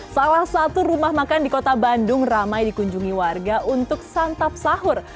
salah satu rumah makan di kota bandung ramai dikunjungi warga untuk santap sahur